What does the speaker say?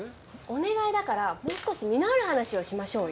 お願いだからもう少し実のある話をしましょうよ。